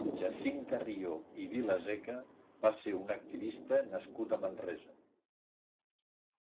Jacint Carrió i Vilaseca va ser un activista nascut a Manresa.